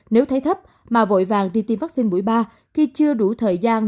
nếu thấy thấp mà vội vàng đi tiêm vaccine buổi ba khi chưa đủ thời gian